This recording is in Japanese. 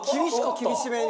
厳しめに。